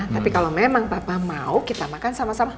tapi kalau memang papa mau kita makan sama sama